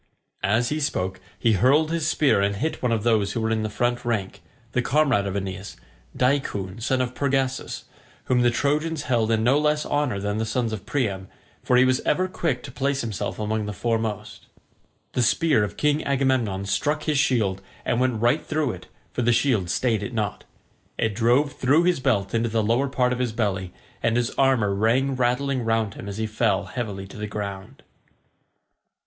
As he spoke he hurled his spear and hit one of those who were in the front rank, the comrade of Aeneas, Deicoon son of Pergasus, whom the Trojans held in no less honour than the sons of Priam, for he was ever quick to place himself among the foremost. The spear of King Agamemnon struck his shield and went right through it, for the shield stayed it not. It drove through his belt into the lower part of his belly, and his armour rang rattling round him as he fell heavily to the ground.